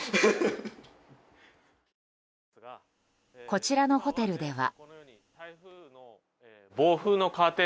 こちらのホテルでは。